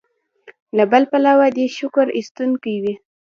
له بل پلوه دې شکر ایستونکی وي.